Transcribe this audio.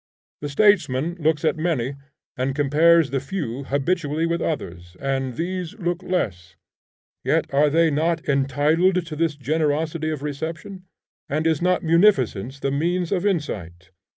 The statesman looks at many, and compares the few habitually with others, and these look less. Yet are they not entitled to this generosity of reception? and is not munificence the means of insight?